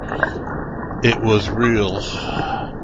It was real!